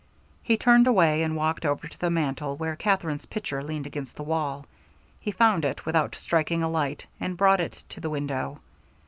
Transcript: He turned away and walked over to the mantel, where Katherine's picture leaned against the wall. He found it without striking a light, and brought it to the window.